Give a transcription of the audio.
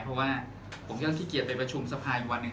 เพราะว่าผมจะต้องขี้เกียจไปประชุมสภาอีกวันหนึ่ง